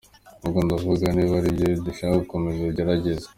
Ubwo ndavuga, niba ibyo ari byo ushaka komeza ugerageze.”